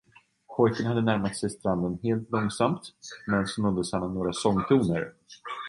Pojken hade närmat sig stranden helt långsamt, men så nåddes han av några sångtoner.